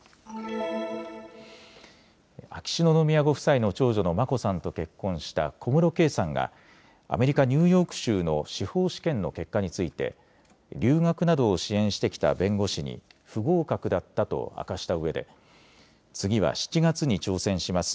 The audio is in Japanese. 秋篠宮ご夫妻の長女の眞子さんと結婚した小室圭さんがアメリカ・ニューヨーク州の司法試験の結果について留学などを支援してきた弁護士に不合格だったと明かしたうえで次は７月に挑戦します。